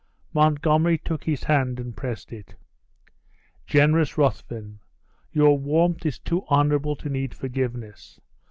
Montgomery took his hand, and pressed it. "Generous Ruthven, your warmth is too honorable to need forgiveness.